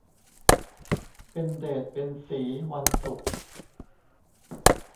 เป็นเดชเป็นศรีวันศุกร์